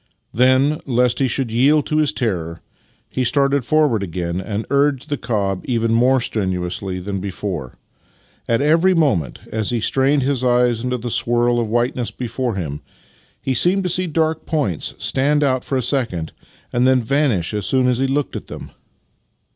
Then, lest he should yield to his terror, he started forward again, and urged on the cob even more strenuously than before. At every moment, as he strained his eyes into the swirl of whiteness before him, he seemed to see dark points stand out for a second and then vanish as soon as he looked at them.